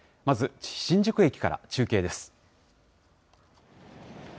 まず、新宿駅から中継です。